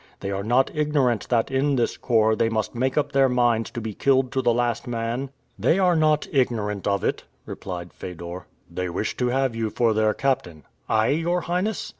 They are not ignorant that in this corps they must make up their minds to be killed to the last man?" "They are not ignorant of it," replied Fedor. "They wish to have you for their captain." "I, your Highness?"